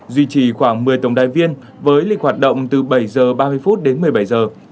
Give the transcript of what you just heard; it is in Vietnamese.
duy trì khoảng một mươi tổng đài viên với lịch hoạt động từ bảy giờ ba mươi phút đến một mươi bảy giờ